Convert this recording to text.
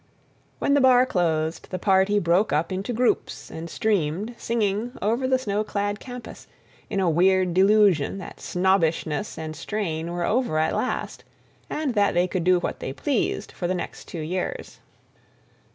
When the bar closed, the party broke up into groups and streamed, singing, over the snow clad campus, in a weird delusion that snobbishness and strain were over at last, and that they could do what they pleased for the next two years.